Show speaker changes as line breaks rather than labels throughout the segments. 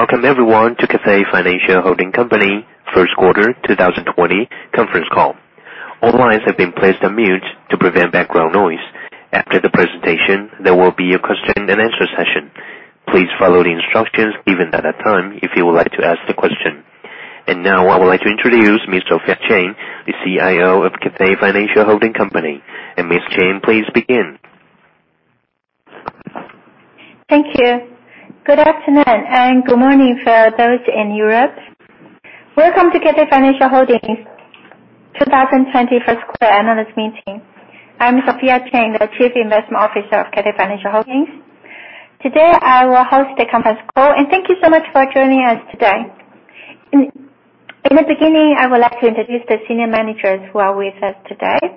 Welcome everyone to Cathay Financial Holding Company first quarter 2020 conference call. All lines have been placed on mute to prevent background noise. After the presentation, there will be a question and answer session. Please follow the instructions given at that time if you would like to ask the question. Now I would like to introduce Ms. Sophia Cheng, the CIO of Cathay Financial Holding. Ms. Cheng, please begin.
Thank you. Good afternoon, and good morning for those in Europe. Welcome to Cathay Financial Holding's 2020 first quarter analyst meeting. I'm Sophia Cheng, the Chief Investment Officer of Cathay Financial Holding. Today, I will host the conference call, thank you so much for joining us today. In the beginning, I would like to introduce the senior managers who are with us today.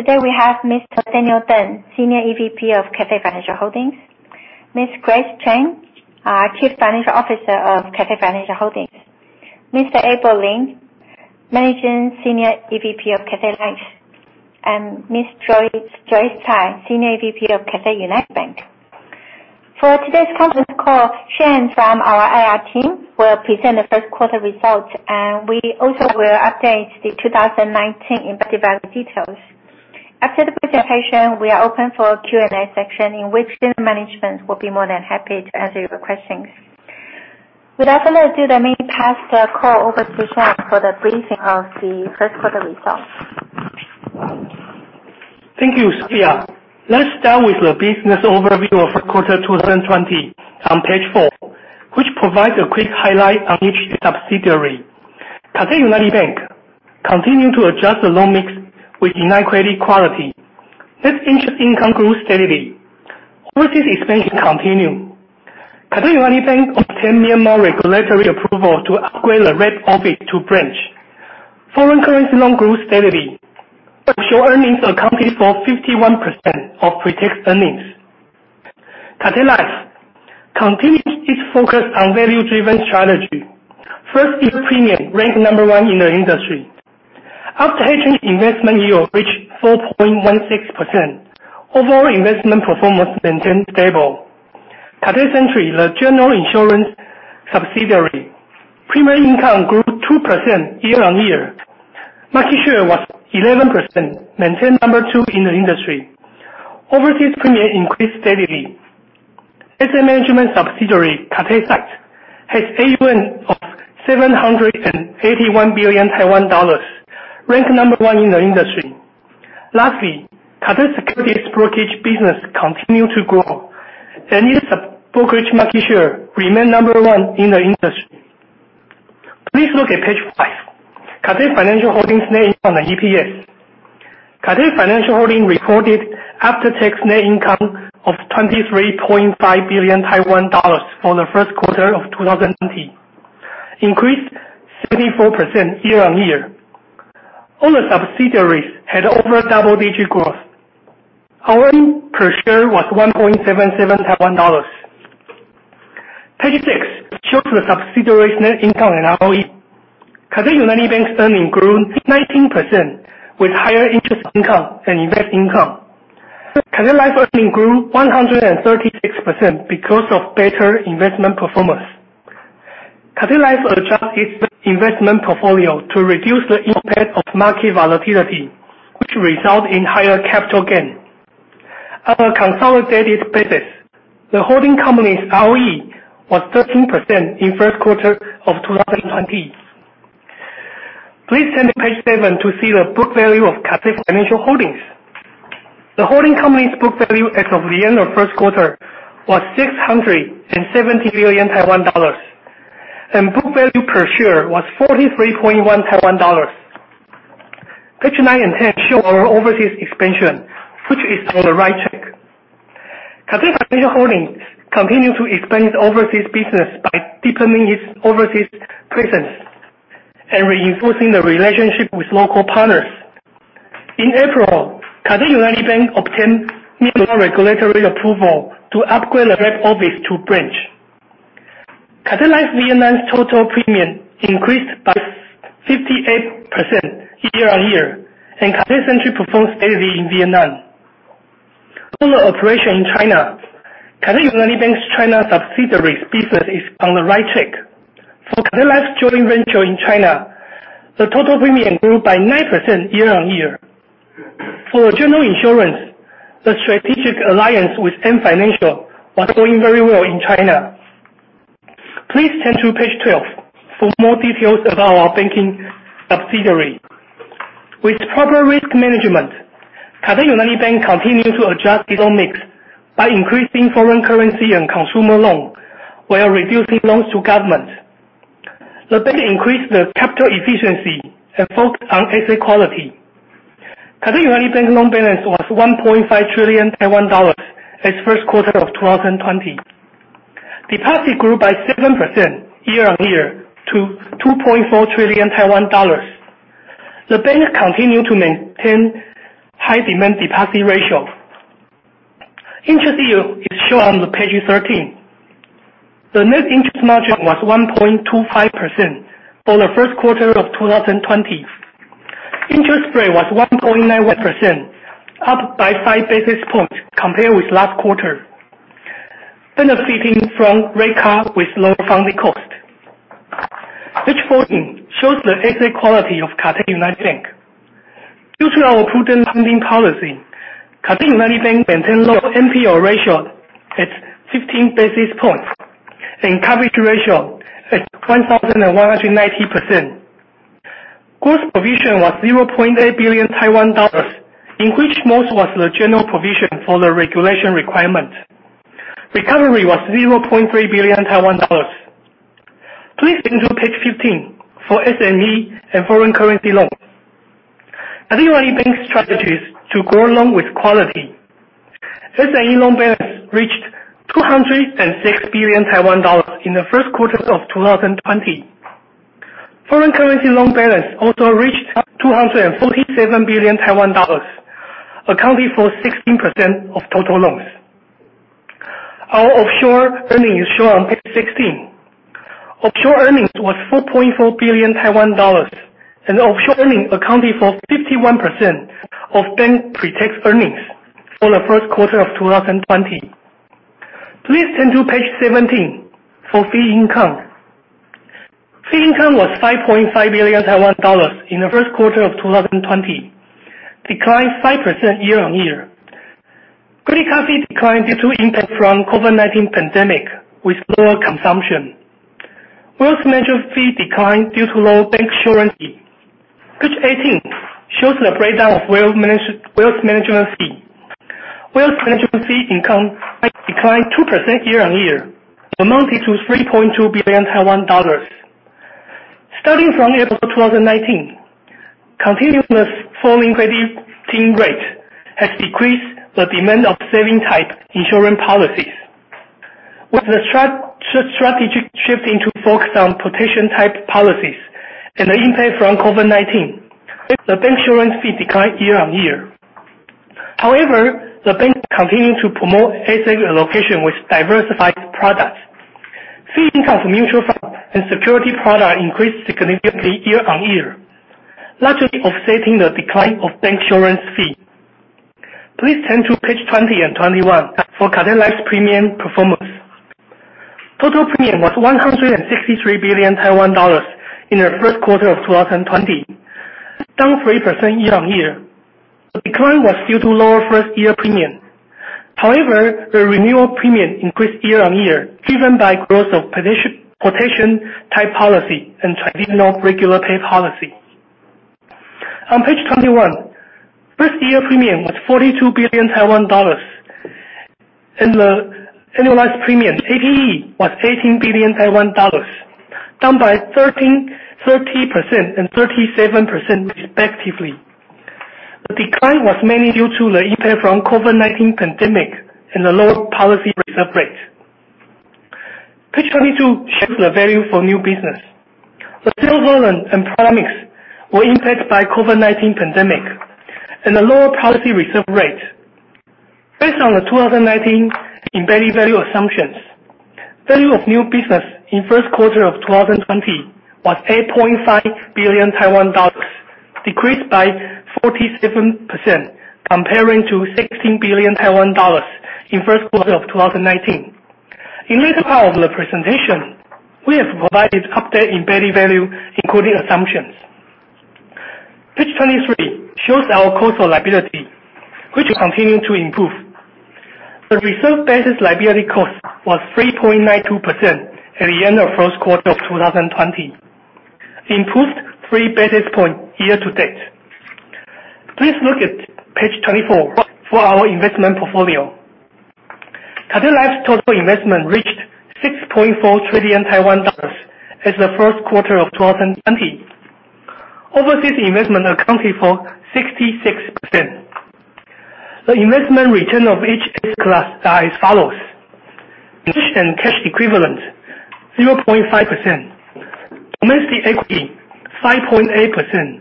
Today we have Mr. Daniel Teng, Senior EVP of Cathay Financial Holding, Ms. Grace Chen, our Chief Financial Officer of Cathay Financial Holding, Mr. Abel Lin, Managing Senior EVP of Cathay Life, and Ms. Joyce Tsai, Senior EVP of Cathay United Bank. For today's conference call, Shen from our IR team will present the first quarter results. We also will update the 2019 embedded value details. After the presentation, we are open for Q&A section, in which the management will be more than happy to answer your questions. Without further ado, let me pass the call over to Shen for the briefing of the first quarter results.
Thank you, Sophia. Let's start with the business overview of quarter 2020 on page four, which provides a quick highlight on each subsidiary. Cathay United Bank continued to adjust the loan mix with benign credit quality. Net interest income grew steadily. Overseas expansion continued. Cathay United Bank obtained Myanmar regulatory approval to upgrade the rep office to branch. Foreign currency loan grew steadily, but offshore earnings accounted for 51% of pre-tax earnings. Cathay Life continued its focus on value-driven strategy. First Year Premium ranked number one in the industry. After-tax investment yield reached 4.16%. Overall investment performance maintained stable. Cathay Century, the general insurance subsidiary, premium income grew 2% year-on-year. Market share was 11%, maintained number two in the industry. Overseas premium increased steadily. Asset management subsidiary, Cathay SITE, has AUM of 781 billion Taiwan dollars, ranked number one in the industry. Cathay Securities brokerage business continued to grow, and its brokerage market share remained number one in the industry. Please look at Page five. Cathay Financial Holding's net income and EPS. Cathay Financial Holding reported after-tax net income of 23.5 billion Taiwan dollars for the first quarter of 2020, increased 74% year-on-year. All the subsidiaries had over double-digit growth. Earnings per share was 1.77 Taiwan dollars. Page six shows the subsidiary's net income and ROE. Cathay United Bank's earnings grew 19%, with higher interest income and investment income. Cathay Life earnings grew 136% because of better investment performance. Cathay Life adjusted its investment portfolio to reduce the impact of market volatility, which resulted in higher capital gains. On a consolidated basis, the holding company's ROE was 13% in first quarter of 2020. Please turn to Page seven to see the book value of Cathay Financial Holding. The holding company's book value as of the end of first quarter was 670 billion Taiwan dollars, and book value per share was 43.1 Taiwan dollars. Page nine and 10 show our overseas expansion, which is on the right track. Cathay Financial Holding continued to expand its overseas business by deepening its overseas presence and reinforcing the relationship with local partners. In April, Cathay United Bank obtained new regulatory approval to upgrade the rep office to branch. Cathay Life Vietnam's total premium increased by 58% year-on-year. Cathay Century performed steadily in Vietnam. On the operation in China, Cathay United Bank's China subsidiary's business is on the right track. For Cathay Life's joint venture in China, the total premium grew by 9% year-on-year. For general insurance, the strategic alliance with Ant Financial was going very well in China. Please turn to Page 12 for more details about our banking subsidiary. With proper risk management, Cathay United Bank continued to adjust its own mix by increasing foreign currency and consumer loans while reducing loans to governments. The bank increased the capital efficiency and focused on asset quality. Cathay United Bank loan balance was 1.5 trillion Taiwan dollars in its first quarter of 2020. Deposits grew by 7% year-on-year to 2.4 trillion Taiwan dollars. The bank continued to maintain high demand deposit ratio. Interest yield is shown on Page 13. The net interest margin was 1.25% for the first quarter of 2020. Interest rate was 1.91%, up by five basis points compared with last quarter, benefiting from rate cuts with lower funding cost. Page 14 shows the asset quality of Cathay United Bank. Due to our prudent lending policy, Cathay United Bank maintained low NPL ratio at 15 basis points and coverage ratio at 1,190%. Gross provision was 0.8 billion Taiwan dollars, most of which was the general provision for the regulatory requirement. Recovery was 0.3 billion Taiwan dollars. Please turn to Page 15 for SME and foreign currency loans. Cathay United Bank's strategy to grow along with quality. SME loan balance reached 206 billion Taiwan dollars in the first quarter of 2020. Foreign currency loan balance also reached 247 billion Taiwan dollars, accounting for 16% of total loans. Our offshore earnings is shown on Page 16. Offshore earnings were 4.4 billion Taiwan dollars, and offshore earnings accounted for 51% of bank pre-tax earnings for the first quarter of 2020. Please turn to Page 17 for fee income. Fee income was 5.5 billion Taiwan dollars in the first quarter of 2020, declined 5% year-on-year. Credit card fee declined due to impact from COVID-19 pandemic with lower consumption. Wealth management fee declined due to lower bancassurance. Page 18 shows the breakdown of wealth management fee. Wealth management fee income declined 2% year-on-year, amounting to 3.2 billion Taiwan dollars. Starting from April 2019, continuous falling crediting rate has decreased the demand of saving-type insurance policies. With the strategy shifting to focus on protection-type policies and the impact from COVID-19, the bancassurance fee declined year-on-year. The bank continued to promote asset allocation with diversified products. Fee income from mutual fund and security product increased significantly year-on-year, largely offsetting the decline of bancassurance fee. Please turn to page 20 and 21 for Cathay Life's premium performance. Total premium was 163 billion Taiwan dollars in the first quarter of 2020, down 3% year-on-year. The decline was due to lower first-year premium. The renewal premium increased year-on-year, driven by growth of protection-type policy and traditional regular pay policy. On page 21, first-year premium was 42 billion Taiwan dollars, and the annualized premium APE was 18 billion Taiwan dollars, down by 13% and 37% respectively. The decline was mainly due to the impact from COVID-19 pandemic and the lower policy reserve rate. Page 22 shows the value of new business. The sales volume and product mix were impacted by COVID-19 pandemic and the lower policy reserve rate. Based on the 2019 embedded value assumptions, value of new business in first quarter of 2020 was 8.5 billion Taiwan dollars, decreased by 47% comparing to 16 billion Taiwan dollars in first quarter of 2019. In later part of the presentation, we have provided update embedded value, including assumptions. Page 23 shows our cost of liability, which continue to improve. The reserve basis liability cost was 3.92% at the end of first quarter of 2020, improved 3 basis points year-to-date. Please look at page 24 for our investment portfolio. Cathay Life's total investment reached 6.4 trillion Taiwan dollars as of the first quarter of 2020. Overseas investment accounted for 66%. The investment return of each asset class are as follows: cash and cash equivalent, 0.5%; domestic equity, 5.8%;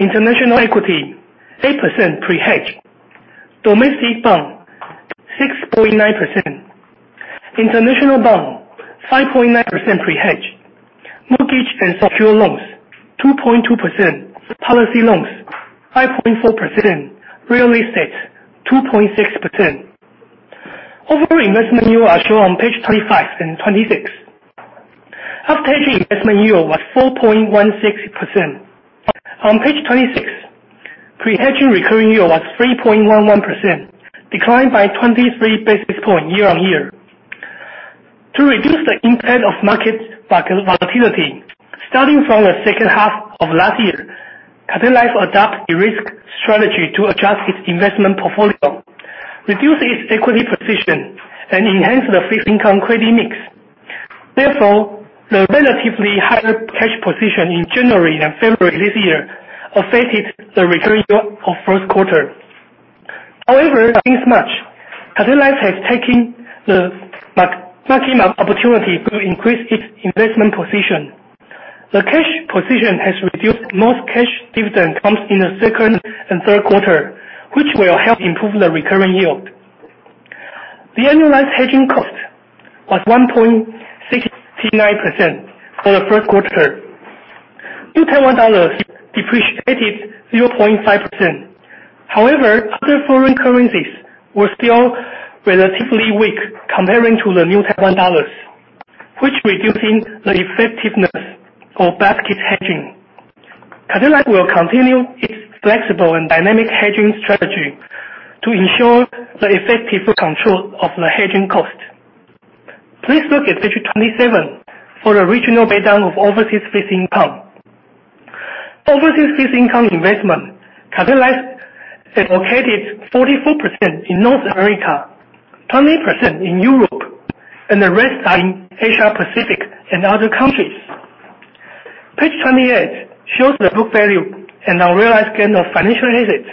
international equity, 8% pre-hedge; domestic bond, 6.9%; international bond, 5.9% pre-hedge; mortgage and structured loans, 2.2%; policy loans, 5.4%; real estate, 2.6%. Overall investment yield are shown on page 25 and 26. After-tax investment yield was 4.16%. On page 26, pre-hedging recurring yield was 3.11%, declined by 23 basis points year-on-year. To reduce the impact of market volatility, starting from the second half of last year, Cathay Life adopt a risk strategy to adjust its investment portfolio, reduce its equity position, and enhance the fixed income credit mix. The relatively higher cash position in January and February this year affected the recurring yield of first quarter. Since March, Cathay Life has taken the maximum opportunity to increase its investment position. The cash position has reduced most cash dividend comes in the second and third quarter, which will help improve the recurring yield. The annualized hedging cost was 1.69% for the first quarter. TWD depreciated 0.5%. Other foreign currencies were still relatively weak comparing to the TWD, which reducing the effectiveness of basket hedging. Cathay Life will continue its flexible and dynamic hedging strategy to ensure the effective control of the hedging cost. Please look at page 27 for the regional breakdown of overseas fee income. Overseas fee income investment, Cathay Life has allocated 44% in North America, 20% in Europe, and the rest are in Asia Pacific and other countries. Page 28 shows the book value and unrealized gain of financial assets.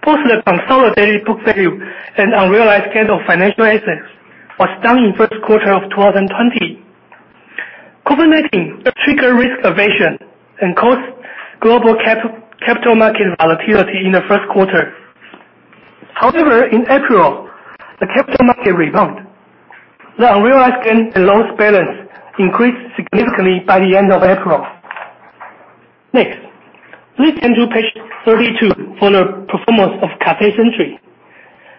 Both the consolidated book value and unrealized gain of financial assets was down in first quarter of 2020. COVID-19 trigger risk evasion and caused global capital market volatility in the first quarter. In April, the capital market rebound. The unrealized gain and loss balance increased significantly by the end of April. Please turn to page 32 for the performance of Cathay Century.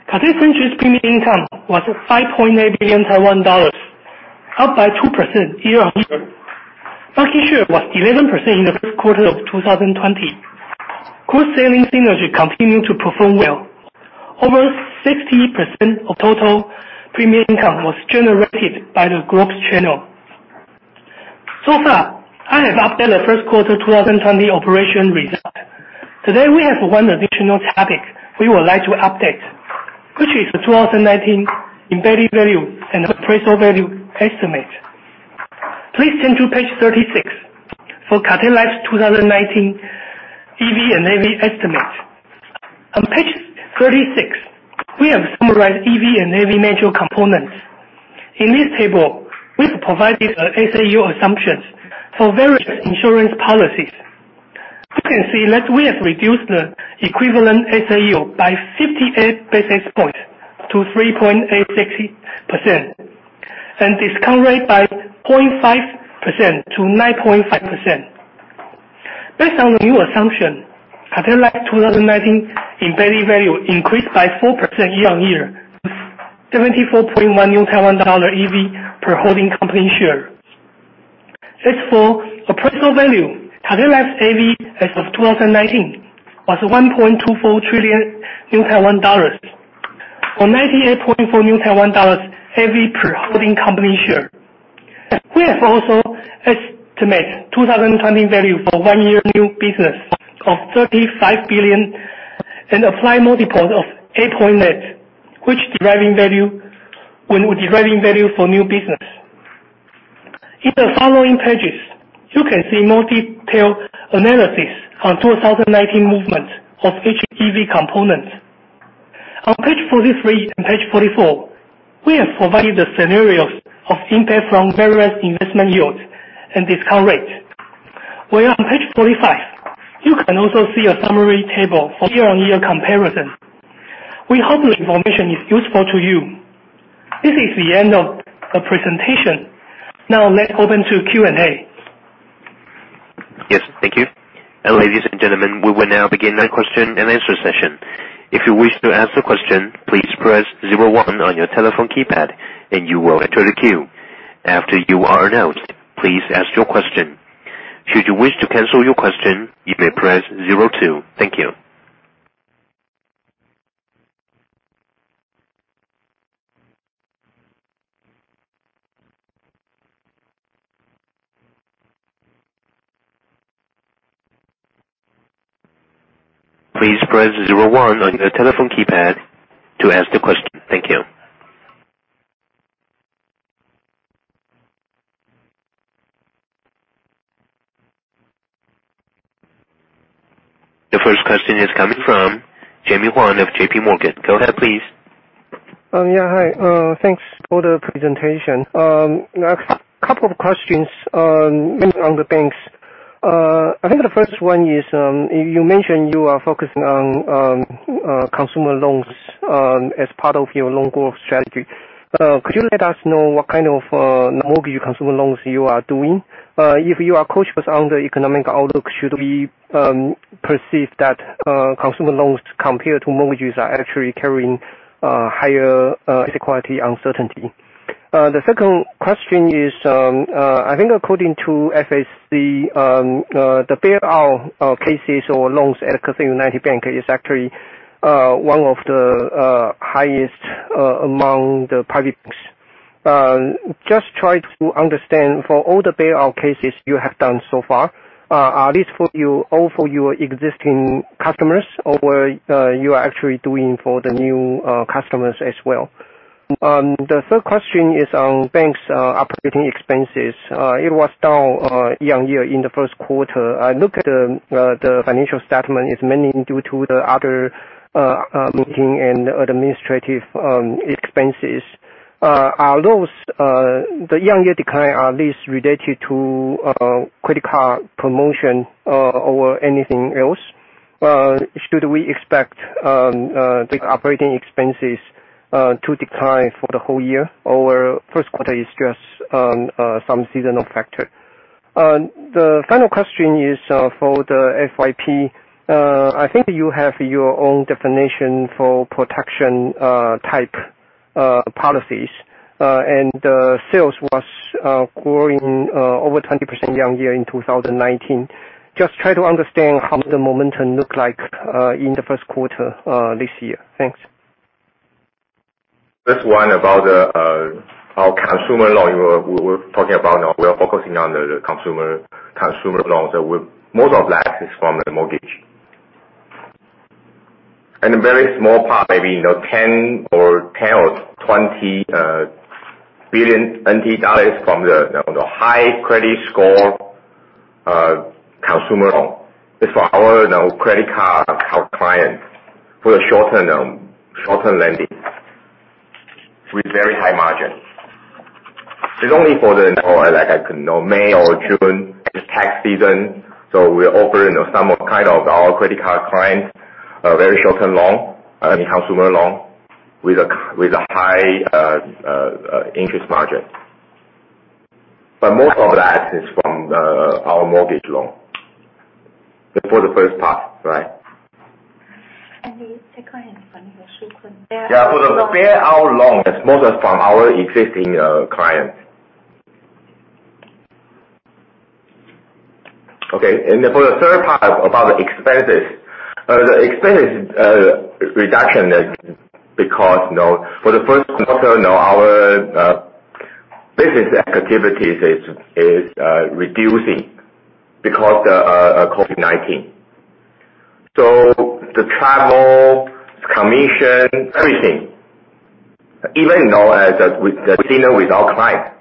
Cathay Century's premium income was 5.8 billion Taiwan dollars, up by 2% year-on-year. Market share was 11% in the first quarter of 2020. Group selling synergy continued to perform well. Over 60% of total premium income was generated by the group's channel. I have updated the first quarter 2020 operation result. Today we have one additional topic we would like to update, which is the 2019 embedded value and the appraisal value estimate. Please turn to page 36 for Cathay Life's 2019 EV and AV estimate. On page 36, we have summarized EV and AV major components. In this table, we have provided SAU assumptions for various insurance policies. You can see that we have reduced the equivalent SAU by 58 basis points to 3.860% and discount rate by 0.5% to 9.5%. Based on the new assumption, Cathay Life 2019 embedded value increased by 4% year-on-year, to 74.1 EV per holding company share. Appraisal value, Cathay Life's AV as of 2019 was 1.24 trillion. Or 98.4 Taiwan dollars AV per holding company share. We have also estimated 2020 value for 1-year new business of 35 billion and apply multiple of 8.8 when deriving value for new business. In the following pages, you can see more detailed analysis on 2019 movement of each EV component. On page 43 and page 44, we have provided the scenarios of impact from various investment yields and discount rate. On page 45, you can also see a summary table for year-on-year comparison. We hope the information is useful to you. This is the end of the presentation. Let open to Q&A.
Yes. Thank you. Ladies and gentlemen, we will now begin the question and answer session. If you wish to ask a question, please press 01 on your telephone keypad and you will enter the queue. After you are announced, please ask your question. Should you wish to cancel your question, you may press 02. Thank you. Please press 01 on your telephone keypad to ask the question. Thank you. The first question is coming from Jemmy Wan of JP Morgan. Go ahead, please.
Yeah. Hi. Thanks for the presentation. A couple of questions, mainly on the banks. I think the first one is, you mentioned you are focusing on consumer loans as part of your loan growth strategy. Could you let us know what kind of mortgage consumer loans you are doing? If you are cautious on the economic outlook, should we perceive that consumer loans compared to mortgages are actually carrying higher risk quality uncertainty? The second question is, I think according to Financial Supervisory Commission, the bailout cases or loans at Cathay United Bank is actually one of the highest among the private banks. Just try to understand, for all the bailout cases you have done so far, are these all for your existing customers, or you are actually doing for the new customers as well? The third question is on bank's operating expenses. It was down year-over-year in the first quarter. I look at the financial statement, it's mainly due to the other meeting and administrative expenses. Are those, the year-over-year decline, are these related to credit card promotion or anything else? Should we expect the operating expenses to decline for the whole year, or first quarter is just some seasonal factor? The final question is for the FYP. I think you have your own definition for protection-type policies, and sales was growing over 20% year-over-year in 2019. Just trying to understand how the momentum look like in the first quarter this year. Thanks.
This one about our consumer loan. We're talking about we are focusing on the consumer loans. Most of that is from the mortgage. A very small part, maybe 10 billion or 20 billion NT dollars from the high credit score consumer loan. It's for our credit card clients for the short-term lending with very high margin. It's only for the, like May or June is tax season, so we offer some of our credit card clients a very short-term loan, consumer loan, with a high interest margin. Most of that is from our mortgage loan. For the first part, right?
The second from the.
Yeah. For the payout loan, it's mostly from our existing clients. Okay, for the third part about the expenses. The expenses reduction is because for the first quarter, our business activities is reducing because of COVID-19. The travel, commission, everything, even with the casino with our client,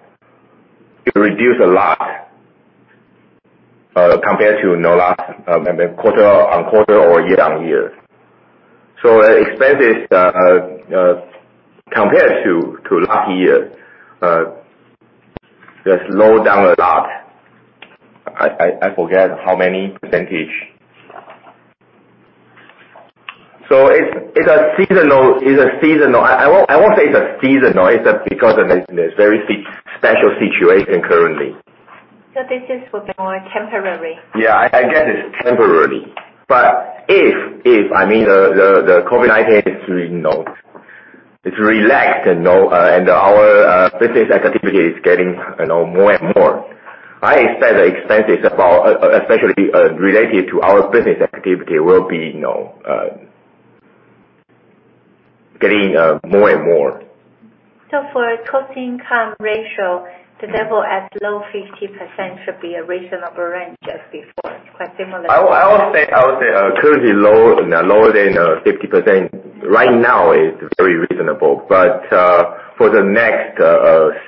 it reduced a lot compared to last quarter-on-quarter or year-on-year. Expenses compared to last year, slowed down a lot. I forget how many %. I won't say it's a seasonal, it's because there is very special situation currently.
This is for more temporary.
Yeah, I guess it is temporary. If the COVID-19 is relaxed and our business activity is getting more and more, I expect the expenses, especially related to our business activity, will be getting more and more.
For cost-income ratio, the level at low 50% should be a reasonable range as before. Quite similar.
I would say currently lower than 50%. Right now it's very reasonable. For the next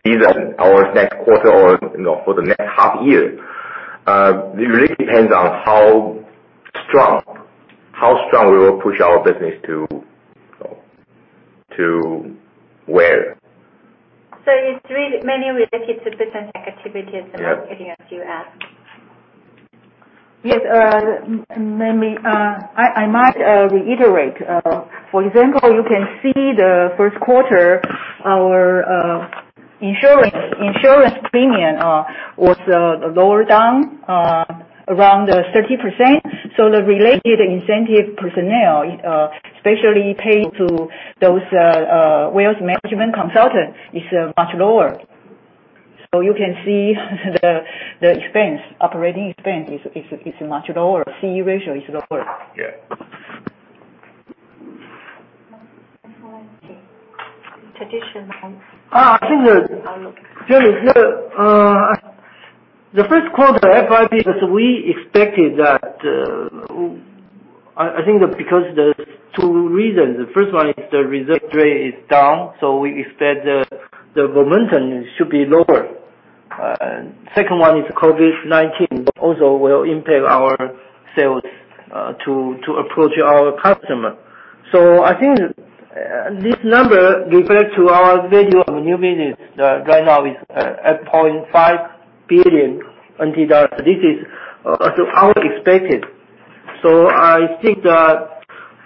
season, or next quarter, or for the next half year, it really depends on how strong we will push our business to where.
It's really mainly related to business activities. Yeah. Getting a few apps.
Yes. Let me reiterate. For example, you can see the first quarter, our insurance premium was lower down around 30%. The related incentive personnel, especially paid to those wealth management consultant, is much lower. You can see the operating expense is much lower. CE ratio is lower.
Yeah.
Traditional.
The first quarter FYP, as we expected that, because there are two reasons. The first one is the reserve rate is down, we expect the momentum should be lower. Second one is COVID-19 also will impact our sales to approach our customer. This number refers to our value of new business right now is at 8.5 billion. This is as expected.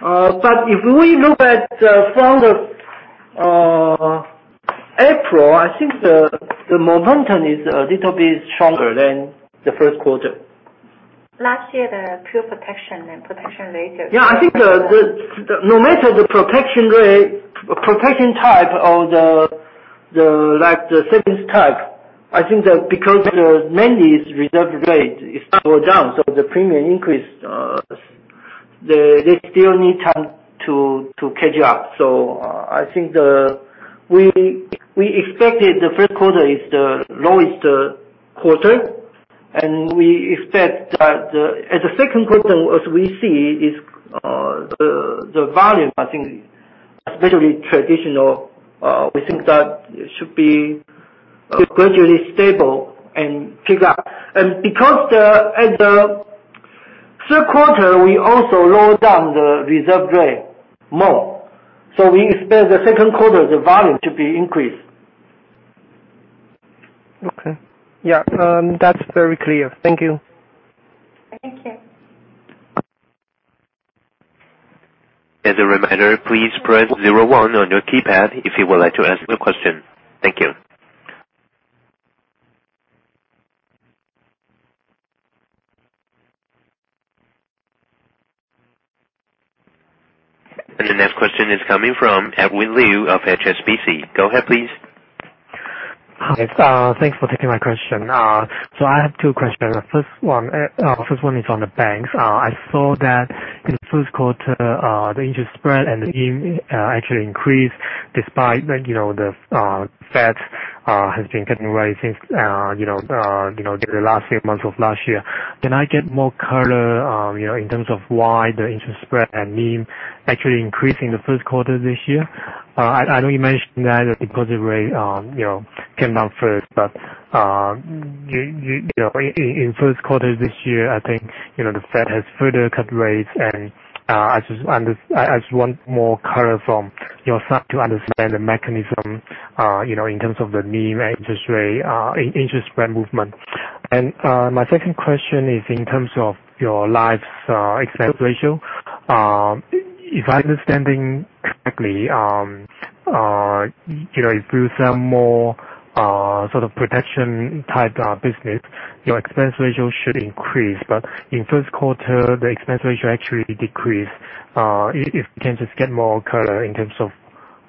If we look at from the April, the momentum is a little bit stronger than the first quarter.
Last year, the pure protection and protection ratio-
No matter the protection type or the savings type, because mainly its reserve rate is still down, the premium increased. They still need time to catch up. We expected the first quarter is the lowest quarter, we expect that at the second quarter, as we see, is the volume, especially traditional, it should be gradually stable and pick up. Because at the third quarter, we also lower down the reserve rate more. We expect the second quarter, the volume to be increased.
That's very clear. Thank you.
Thank you.
As a reminder, please press 01 on your keypad if you would like to ask a question. Thank you. The next question is coming from Edwin Liu of HSBC. Go ahead, please.
Hi. Thanks for taking my question. I have two questions. First one is on the banks. I saw that the first quarter, the interest spread and the NIM actually increased despite the fact has been getting raised since the last few months of last year. Can I get more color, in terms of why the interest spread and NIM actually increased in the first quarter this year? I know you mentioned that the deposit rate came down first, but in first quarter this year, I think, the Fed has further cut rates and I just want more color from your side to understand the mechanism, in terms of the NIM and interest rate, interest spread movement. My second question is in terms of your Life's expense ratio. If I'm understanding correctly, if you sell more sort of protection-type business, your expense ratio should increase. In first quarter, the expense ratio actually decreased. If we can just get more color in terms of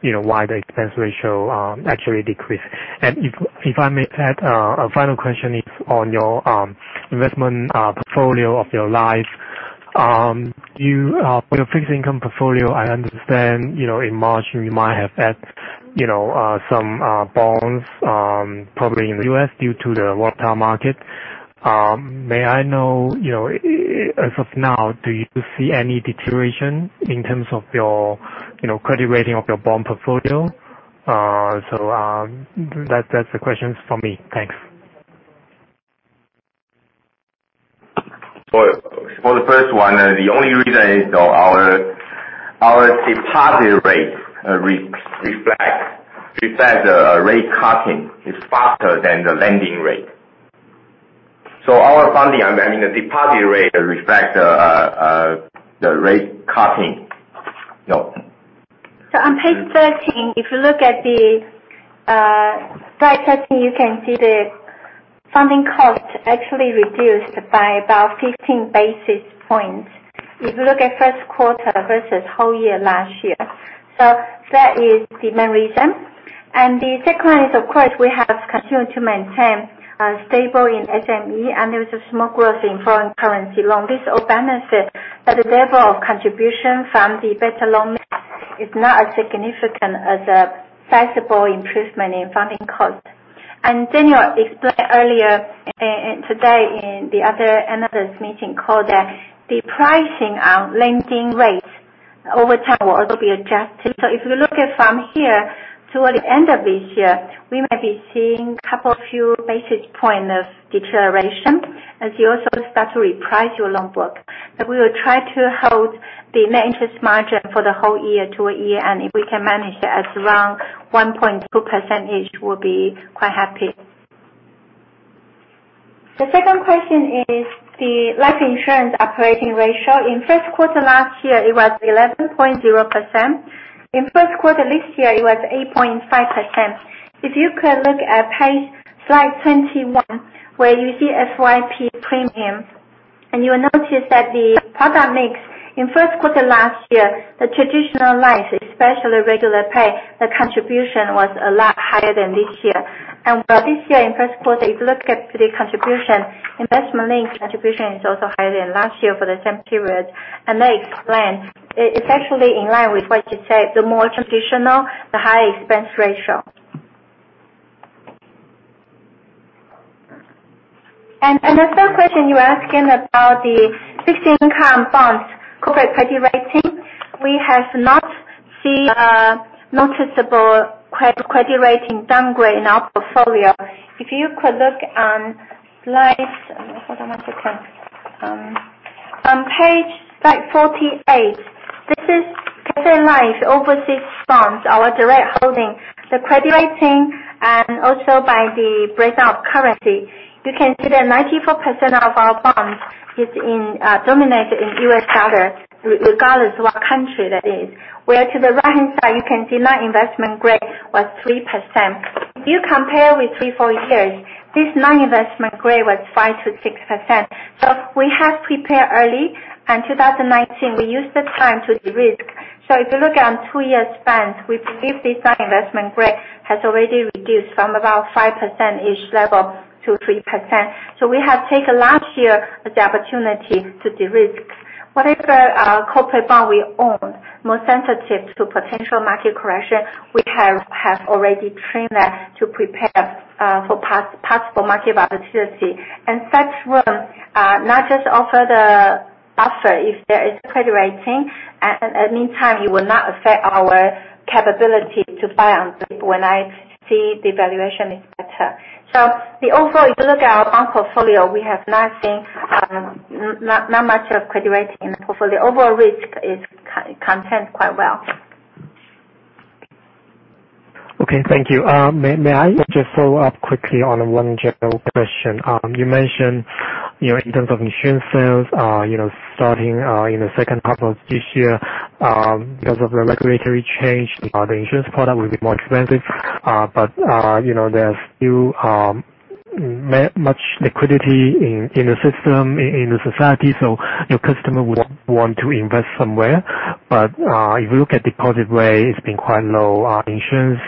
why the expense ratio actually decreased. If I may add, a final question is on your investment portfolio of your Life. Your fixed income portfolio, I understand, in March, you might have had some bonds, probably in the U.S. due to the volatile market. May I know, as of now, do you see any deterioration in terms of your credit rating of your bond portfolio? That's the questions from me. Thanks.
For the first one, the only reason is our deposit rates reflect the rate cutting is faster than the lending rate. Our funding, I mean, the deposit rate reflect the rate cutting.
On page 13, if you look at the slide 13, you can see the funding cost actually reduced by about 15 basis points. If you look at first quarter versus whole year last year. That is the main reason. The second one is, of course, we have continued to maintain stable in SME and there is a small growth in foreign currency loan. This all balances at the level of contribution from the better loan mix is not as significant as a sizable improvement in funding cost. Daniel explained earlier today in the other analysts' meeting call that the pricing our lending rates over time will also be adjusted. If you look at from here towards the end of this year, we may be seeing a couple few basis point of deterioration as you also start to reprice your loan book. We will try to hold the net interest margin for the whole year to a year, and if we can manage it as around 1.2% will be quite happy. The second question is the life insurance operating ratio. In first quarter last year, it was 11.0%. In first quarter this year, it was 8.5%. If you could look at slide 21 where you see FYP premiums, you will notice that the product mix in first quarter last year, the traditional life, especially regular pay, the contribution was a lot higher than this year. While this year in first quarter, if you look at the contribution, investment link contribution is also higher than last year for the same period. That explains, it is actually in line with what you said, the more traditional, the higher expense ratio. The third question you are asking about the fixed income bonds corporate credit rating, we have not seen a noticeable credit rating downgrade in our portfolio. If you could look on slide 48, this is Cathay Life overseas bonds, our direct holding. The credit rating, and also by the breakdown of currency. You can see that 94% of our bonds is dominated in US dollar, regardless what country that is. Where to the right-hand side, you can see non-investment grade was 3%. If you compare with three, four years, this non-investment grade was 5%-6%. We have prepared early, and 2019, we used the time to de-risk. If you look on two years span, we believe this non-investment grade has already reduced from about 5% each level to 3%. We have taken last year as the opportunity to de-risk. Whatever corporate bond we own, more sensitive to potential market correction, we have already trimmed that to prepare for possible market volatility. Such will not just offer the buffer if there is credit rating, at meantime, it will not affect our capability to buy on dip when I see the valuation is better. Overall, if you look at our bond portfolio, we have not much of credit rating in the portfolio. Overall risk is contained quite well.
Okay, thank you. May I just follow up quickly on one general question? You mentioned in terms of insurance sales, starting in the second half of this year, because of the regulatory change, the insurance product will be more expensive. There's still much liquidity in the system, in the society, so your customer would want to invest somewhere. If you look at deposit rate, it's been quite low. Insurance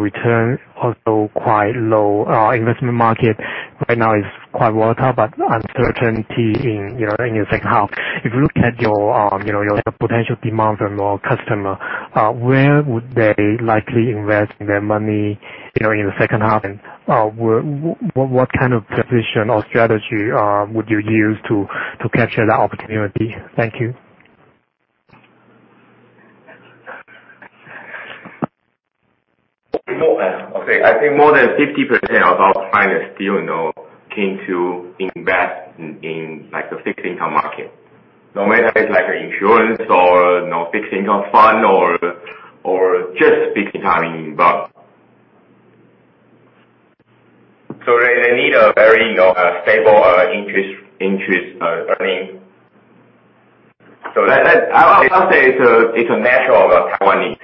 return also quite low. Investment market right now is quite volatile, but uncertainty in your second half. If you look at your potential demand from your customer, where would they likely invest their money in the second half? What kind of position or strategy would you use to capture that opportunity? Thank you.
Okay. I think more than 50% of our clients still like to invest in the fixed income market. No matter if it's insurance or fixed income fund or just fixed time in bonds. They need a very stable interest earning. I would say it's a natural Taiwanese.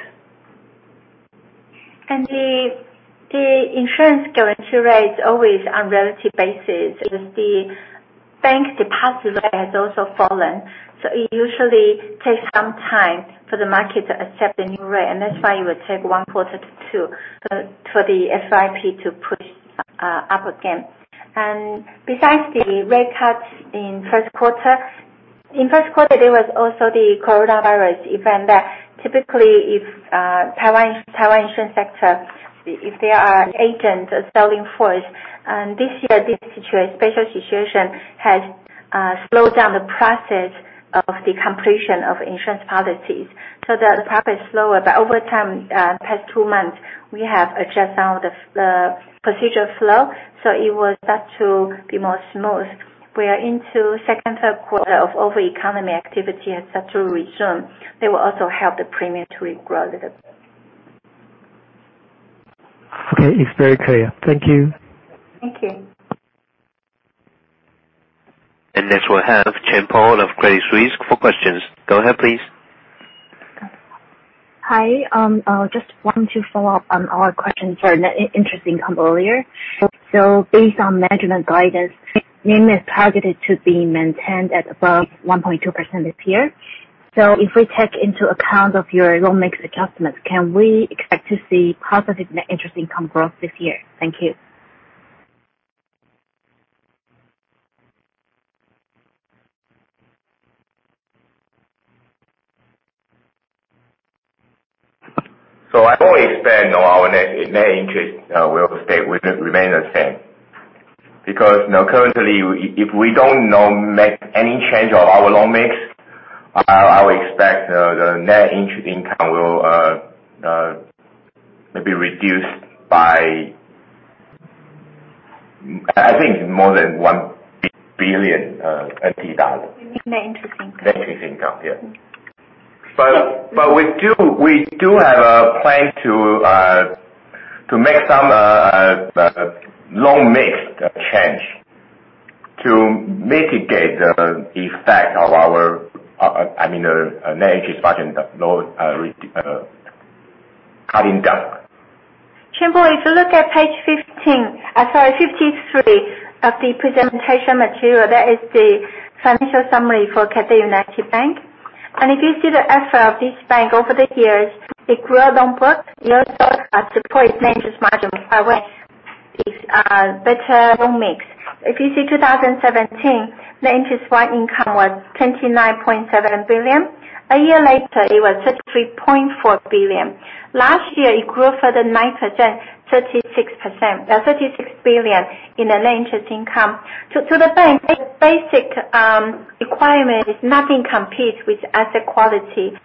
The insurance guarantee rate is always on relative basis. The bank deposit rate has also fallen, so it usually takes some time for the market to accept the new rate, and that's why it would take one quarter to two for the FYP to push up again. Besides the rate cut in first quarter, there was also the coronavirus event that typically if Taiwan insurance sector, if there are agents selling force. This year, this special situation has slowed down the process of the completion of insurance policies so that the profit is slower. Over time, past two months, we have adjusted now the procedure flow, so it will start to be more smooth. We are into second half quarter of our economy activity has start to resume. They will also help the premium to regrow a little bit.
Okay. It's very clear. Thank you.
Thank you.
Next we'll have Chienpo Pan of Credit Suisse for questions. Go ahead, please.
Hi. Just want to follow up on our questions for net interest income earlier. Based on management guidance, NIM is targeted to be maintained at above 1.2% this year. If we take into account of your loan mix adjustments, can we expect to see positive net interest income growth this year? Thank you.
I don't expect our net interest income will remain the same, because currently, if we don't make any change of our loan mix, I would expect the net interest income will maybe reduce by, I think more than 1 billion NT dollars.
You mean net interest income?
Net interest income, yeah. We do have a plan to make some loan mix change to mitigate the effect of our net interest margin cutting down.
Chienpo Pan, if you look at page 15, sorry, 53 of the presentation material, that is the financial summary for Cathay United Bank. If you see the effort of this bank over the years, it grew loan book. It also has supported net interest margin by way of better loan mix. If you see 2017, net interest income was 29.7 billion. A year later, it was 33.4 billion. Last year, it grew further 36% by 36 billion in the net interest income. To the bank, its basic requirement is nothing competes with asset quality.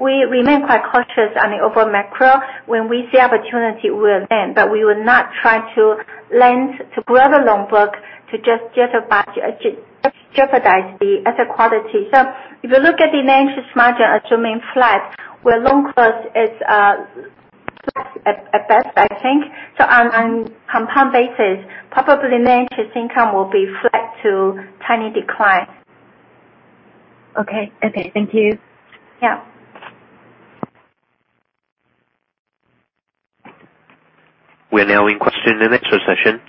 We remain quite cautious on the overall macro. When we see opportunity, we will lend, but we will not try to lend to grow the loan book to just jeopardize the asset quality. If you look at the net interest margin assuming flat, where loan cost is flat at best, I think. On a compound basis, probably net interest income will be flat to tiny decline.
Okay. Thank you.
Yeah.
We're now in question and answer session.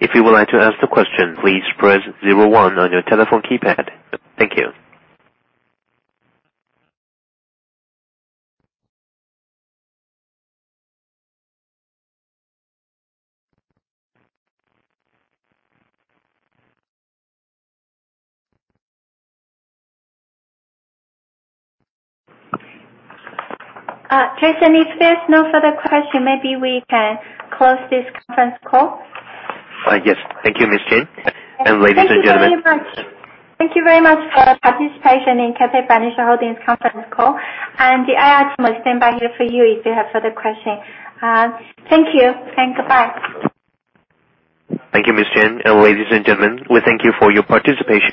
If you would like to ask the question, please press zero one on your telephone keypad. Thank you.
Jason, if there's no further question, maybe we can close this conference call.
Yes. Thank you, Miss Chen. Ladies and gentlemen.
Thank you very much. Thank you very much for your participation in Cathay Financial Holding conference call, and the IR team will stand by here for you if you have further question. Thank you, and goodbye.
Thank you, Miss Chen. Ladies and gentlemen, we thank you for your participation.